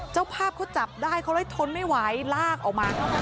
เจ้าภาพเขาจับได้เขาเลยทนไม่ไหวลากออกมา